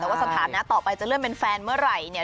แต่ว่าสถานะต่อไปจะเลื่อนเป็นแฟนเมื่อไหร่เนี่ย